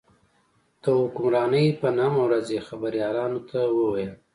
د حکمرانۍ په نهمه ورځ یې خبریالانو ته وویل.